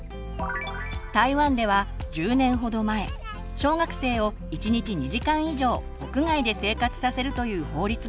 台湾では１０年ほど前小学生を１日２時間以上屋外で生活させるという法律ができました。